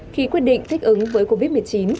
khi quyết định thích ứng với covid một mươi chín